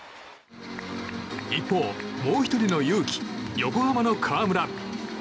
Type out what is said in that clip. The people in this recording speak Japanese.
一方、もう１人のユウキ横浜の河村。